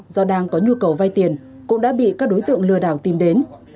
do đang có nhu cầu vay tiền cũng đã bị các đối tượng lừa đảo tìm đến